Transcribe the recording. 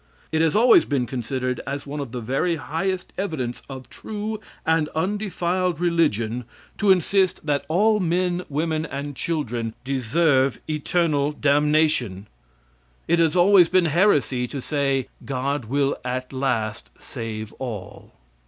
It has always been considered as one of the very highest evidence of true and undefiled religion to insist that all men, women and children deserve eternal damnation. It has always been heresy to say, "God will at last save all."